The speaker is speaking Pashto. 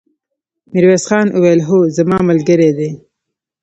ميرويس خان وويل: هو، زما ملګری دی!